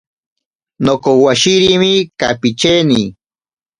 Nokowashirimi kapicheni.